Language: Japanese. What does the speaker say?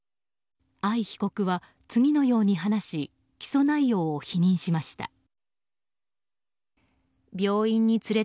藍被告は次のように話し起訴内容を否認しました。